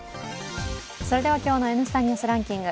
今日の「Ｎスタ・ニュースランキング」